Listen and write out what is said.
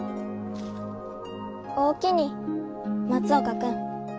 おおきに松岡君。